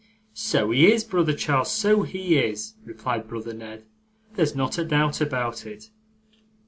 'So he is, brother Charles, so he is,' replied brother Ned. 'There's not a doubt about it.